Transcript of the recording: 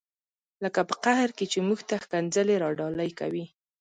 لکه په قهر کې چې موږ ته ښکنځلې را ډالۍ کوي.